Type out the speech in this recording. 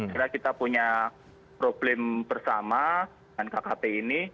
karena kita punya problem bersama dengan kkp ini